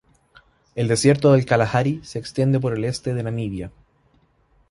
El desierto del Kalahari se extiende por el este de Namibia.